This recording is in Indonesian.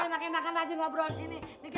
lu emang enakan aja ngobrol disini